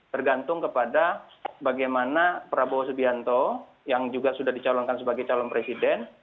tergantung kepada bagaimana prabowo subianto yang juga sudah dicalonkan sebagai calon presiden